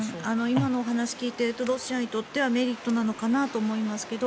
今のお話を聞いているとロシアにとってはメリットなのかなと思いますけど